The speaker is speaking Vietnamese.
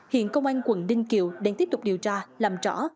hiện công an quận ninh kiều đang tiếp tục điều tra làm rõ